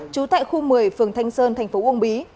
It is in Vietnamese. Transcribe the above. chú tại khu một mươi phường thanh sơn tp uông bí